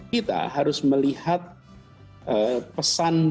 kita harus melihat pesan